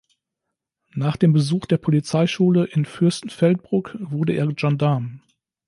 Nach dem Besuch der Polizeischule in Fürstenfeldbruck wurde er Gendarm.